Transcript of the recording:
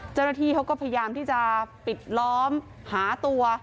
เจ้าหน้าที่เขาก็พยายามที่จะปิดล้อมหาตัว